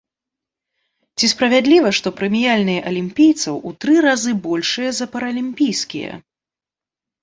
Ці справядліва, што прэміяльныя алімпійцаў у тры разы большыя за паралімпійскія?